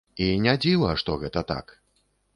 І не дзіва, што гэта так.